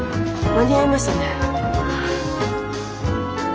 間に合いましたね。